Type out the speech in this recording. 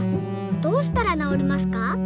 どうしたらなおりますか？」。